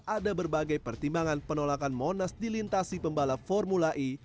ada berbagai pertimbangan penolakan monas dilintasi pembalap formula e